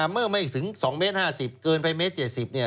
เมื่อไม่ถึง๒เมตร๕๐เกินไปเมตร๗๐เนี่ย